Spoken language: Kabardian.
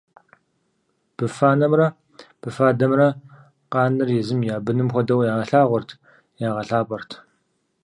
Быфанэмрэ быфадэмрэ къаныр езым я быным хуэдэу ялъагъурт, ягъэлъапӏэрт.